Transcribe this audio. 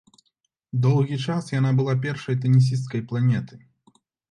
Доўгі час яна была першай тэнісісткай планеты.